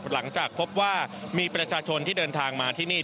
หลังจากพบว่ามีประชาชนที่เดินทางมาที่นี่